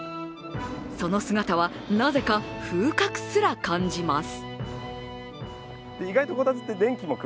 その姿は、なぜか風格する感じます